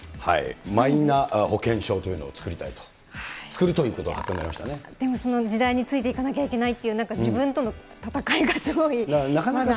マイナ保険証というのを作りたいと、でもその時代についていかなきゃいけないっていう、なんか自分との闘いがすごいなんか。